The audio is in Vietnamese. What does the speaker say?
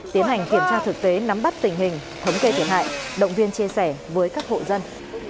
tiến hành kiểm tra thực tế nắm bắt tình hình thống kê thiệt hại động viên chia sẻ với các hộ dân